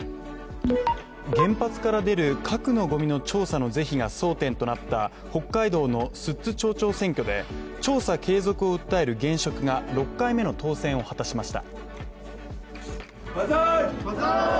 原発から出る核のごみの調査の是非が争点となった北海道の寿都町長選挙で調査継続を訴える現職が６回目の当選を果たしました。